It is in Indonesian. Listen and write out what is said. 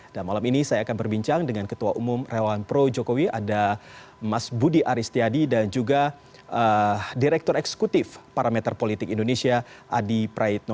malam ini saya akan berbincang dengan ketua umum relawan pro jokowi ada mas budi aristiadi dan juga direktur eksekutif parameter politik indonesia adi praitno